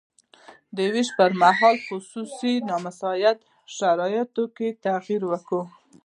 د ویش پرمهال خصوصاً په نامساعدو شرایطو کې تغیر کوي.